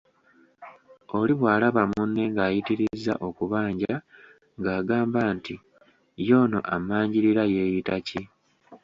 Oli bw'alaba munne ng'ayitirizza okubanja ng'agamba nti, y'ono ammanjirira yeeyita ki?